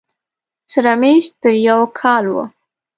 سره مېشت پر یو کاله و